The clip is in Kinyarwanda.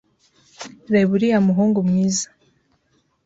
Reba uriya muhungu mwiza.